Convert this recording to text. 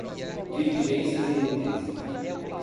diligências inúteis